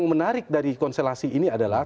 yang menarik dari konstelasi ini adalah